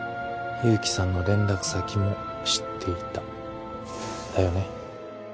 勇気さんの連絡先も知っていただよね？